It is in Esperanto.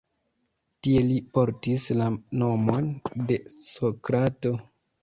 Tie li portis la nomon de Sokrato.